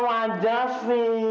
mau tahu aja sih